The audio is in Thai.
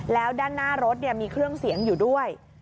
แล้วด้านหน้ารถมีเครื่องเสียงอยู่ด้วย